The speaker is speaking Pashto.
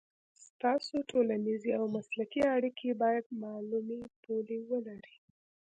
ستاسو ټولنیزې او مسلکي اړیکې باید معلومې پولې ولري.